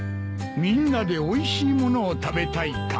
「みんなでおいしいものを食べたい」か。